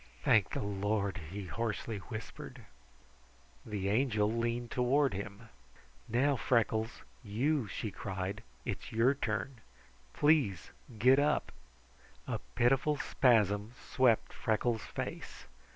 "Thank the Lord!" he hoarsely whispered. The Angel leaned toward him. "Now, Freckles, you!" she cried. "It's your turn. Please get up!" A pitiful spasm swept Freckles' face.